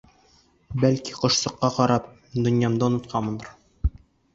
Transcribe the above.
Бәлки, ҡошсоҡҡа ҡарап донъямды онотҡанмындыр.